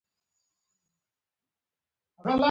د تیرولو د ستونزې لپاره د ستوني معاینه وکړئ